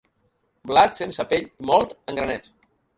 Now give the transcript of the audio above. Blat sense pell i mòlt en granets.